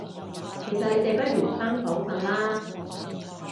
其實你哋不如返房訓啦